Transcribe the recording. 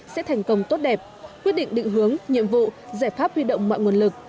sẽ thành công tốt đẹp quyết định định hướng nhiệm vụ giải pháp huy động mọi nguồn lực